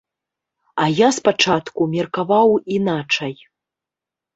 А я спачатку меркаваў іначай.